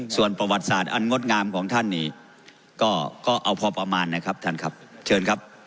ส่วนประวัติศาสตร์อันงดงามของท่านนี่ก็เอาพอประมาณนะครับท่านครับเชิญครับ